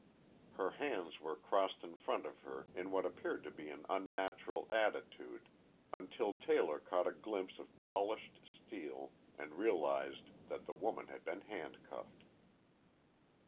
Her hands were crossed in front of her in what appeared to be an unnatural attitude until Taylor caught a glimpse of polished steel and realized that the woman had been handcuffed.